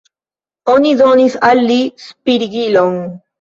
Oni donis al li spirigilon.